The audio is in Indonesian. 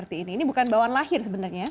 ini bukan bawaan lahir sebenarnya ya